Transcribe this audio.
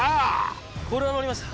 これはのりました。